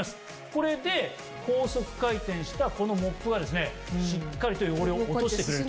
これで高速回転したこのモップがですねしっかりと汚れを落としてくれると。